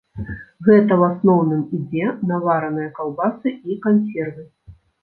Гэта ў асноўным ідзе на вараныя каўбасы і кансервы.